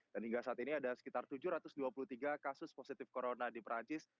dan hingga saat ini ada sekitar tujuh ratus dua puluh tiga kasus positif corona di perancis